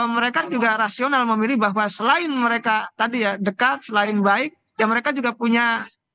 mereka juga rasional memilih bahwa selain mereka tadi ya dekat selain baik ya mereka juga punya